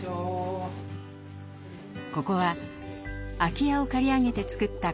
ここは空き家を借り上げて作った